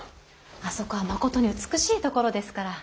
あそこはまことに美しい所ですから。